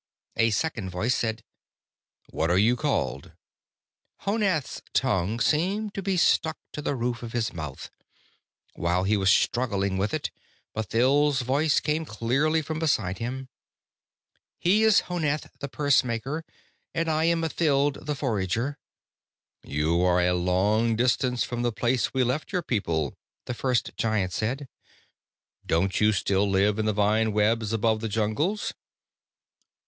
A second voice said: "What are you called?" Honath's tongue seemed to be stuck to the roof of his mouth. While he was struggling with it, Mathild's voice came clearly from beside him: "He is Honath the Pursemaker, and I am Mathild the Forager." "You are a long distance from the place we left your people," the first Giant said. "Don't you still live in the vine webs above the jungles?"